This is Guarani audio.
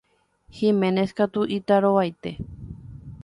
Giménez katu itarovaite.